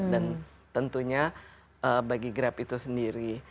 dan tentunya bagi grab itu sendiri